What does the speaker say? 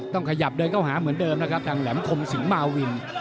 ต้องขยับเดินเข้าหาเหมือนเดิมนะครับทางแหลมคมสิงหมาวิน